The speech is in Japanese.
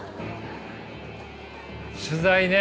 取材ね！